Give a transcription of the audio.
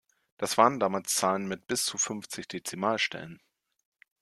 Das waren damals Zahlen mit bis zu fünfzig Dezimalstellen.